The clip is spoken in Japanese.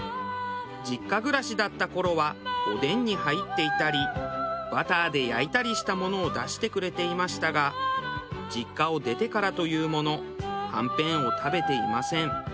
実家暮らしだった頃はおでんに入っていたりバターで焼いたりしたものを出してくれていましたが実家を出てからというものはんぺんを食べていません。